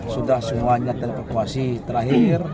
sudah semuanya terkekuasi terakhir